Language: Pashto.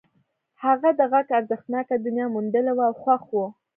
هغه د غږ ارزښتناکه دنيا موندلې وه او خوښ و.